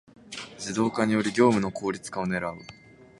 ⅱ 自動化により業務の効率化を狙う